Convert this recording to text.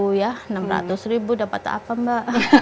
rp enam ratus ribu dapat apa mbak